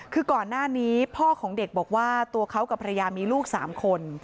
คือก่อนหน้านี้พ่อของเด็กบอกว่าตัวเขากับภรรยามีลูก๓คน